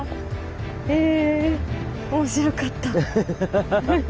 え面白かった。